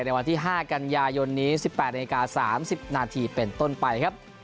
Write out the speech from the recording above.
ในวันที่๕กันยายนนี้๑๘นาที๓๐นาทีเป็นต้นไปครับ